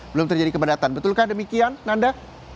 belum terjadi kebenatan betul kan demikian nanda